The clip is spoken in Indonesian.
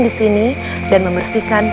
di sini dan membersihkan